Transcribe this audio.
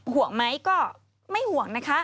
ห่วงไหมก็ไม่ห่วงนะคะ